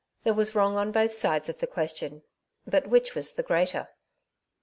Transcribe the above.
There was wrong on both sides of the question, but which was the greater